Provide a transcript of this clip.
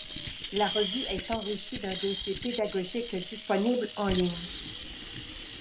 La revue est enrichie d’un dossier pédagogique disponible en ligne.